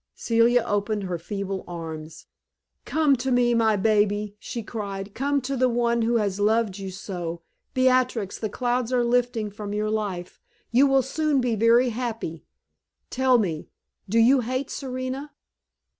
Celia opened her feeble arms. "Come to me, my baby!" she cried. "Come to the one who has loved you so! Beatrix the clouds are lifting from your life; you will soon be very happy. Tell me, do you hate Serena?"